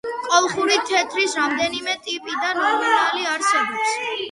კოლხური თეთრის რამდენიმე ტიპი და ნომინალი არსებობს.